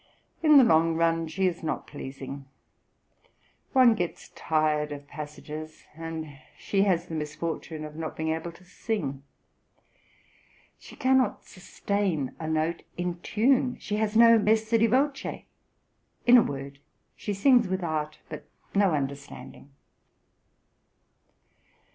In the long run she is not pleasing; one gets tired of passages, and she has the misfortune of not being able to sing. She cannot sustain a note in tune; she has no messa di voce; in a word, she sings with art, but no understanding.